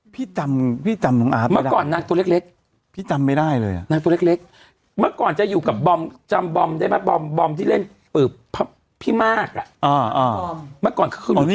พี่จำต่องอ๋าแปดะไม่จำไม่ได้เลยมาก่อน